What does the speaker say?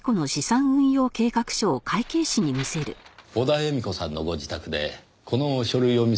小田絵美子さんのご自宅でこの書類を見つけましてね。